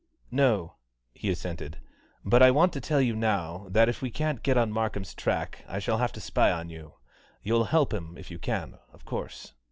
"No," he assented; "but I want to tell you now that if we can't get on Markham's track I shall have to spy on you. You'll help him if you can, of course."